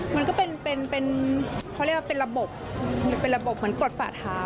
มันก็เป็นเป็นเป็นเขาเรียกว่าเป็นระบบเป็นระบบเหมือนกดฝ่าเท้า